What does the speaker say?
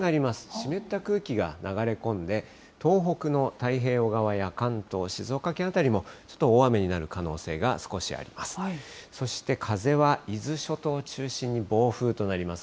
湿った空気が流れ込んで、東北の太平洋側や関東、静岡県辺りもちょっと大雨になる可能性が少しあります。